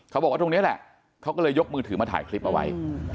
เขาบอกว่าตรงนี้แหละเขาก็เลยยกมือถือมาถ่ายคลิปเอาไว้